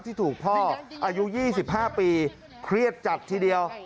ที่ถูกพ่ออายุ๒๕ปีเครียดจัดทีเดียว